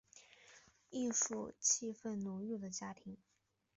艺术气氛浓厚的家庭